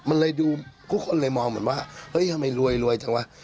มันเลยดูทุกคนเลยมองเหมือนว่าเฮ้ยทำไมรวยจังวะ